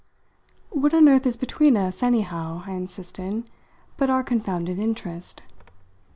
"What on earth is between us, anyhow," I insisted, "but our confounded interest?